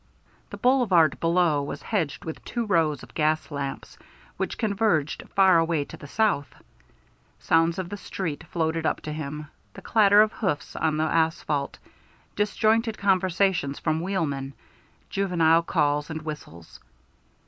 The boulevard below was hedged with two long rows of gas lamps which converged far away to the south. Sounds of the street floated up to him the clatter of hoofs on the asphalt, disjointed conversations from wheelmen, juvenile calls and whistles.